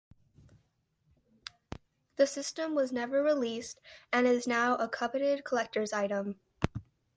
The system was never released, and is now a coveted collector's item.